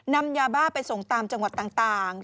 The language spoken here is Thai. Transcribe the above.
นำยาบ้าไปส่งตามจังหวัดต่าง